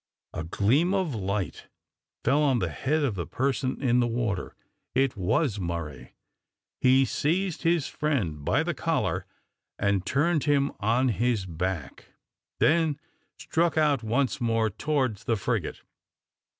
A gleam of light fell on the head of the person in the water. It was Murray. He seized his friend by the collar and turned him on his back, then struck out once more towards the frigate.